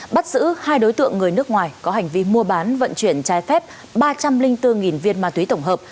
bắt giữ hai đối tượng người nước ngoài có hành vi mua bán vận chuyển trái phép ba trăm linh bốn viên ma túy tổng hợp